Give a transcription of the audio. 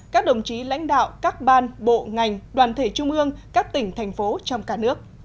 các đồng chí lãnh đạo các ban bộ ngành đoàn thể trung ương các tỉnh thành phố trong cả nước